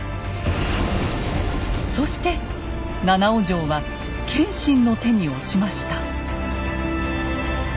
そして七尾城は謙信の手に落ちました。